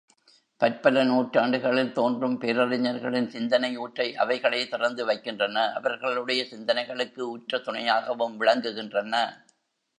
பற்பல நூற்றாண்டுகளில் தோன்றும் பேரறிஞர்களின் சிந்தனை ஊற்றை அவைகளே திறந்து வைக்கின்றன அவர்களுடைய சிந்தனைகளுக்கு உற்ற துணையாகவும் விளங்குகின்றன.